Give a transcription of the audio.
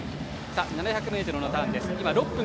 ７００ｍのターン。